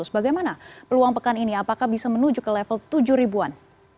bagaimana peluang pekan ini apakah bisa menuju ke level tujuh ribuan